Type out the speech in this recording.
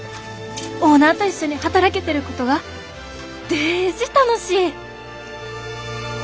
オーナーと一緒に働けてることがデージ楽しい！